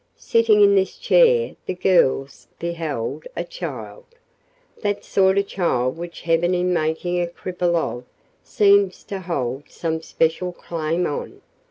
Sitting in this chair the girls beheld a child that sort of child which heaven in making a cripple of seems to hold some special claim on.